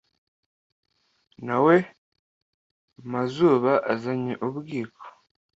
na we mazuba azanye ubwiko